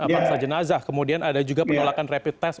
paksa jenazah kemudian ada juga penolakan rapid test